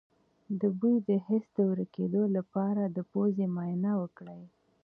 د بوی د حس د ورکیدو لپاره د پوزې معاینه وکړئ